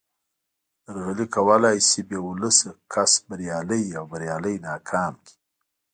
درغلي کولای شي بې ولسه کس بریالی او بریالی ناکام کړي